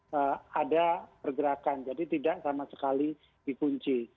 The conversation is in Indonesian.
tidak ada pergerakan jadi tidak sama sekali dikunci